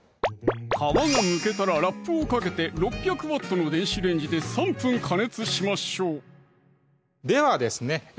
皮がむけたらラップをかけて６００Ｗの電子レンジで３分加熱しましょうではですね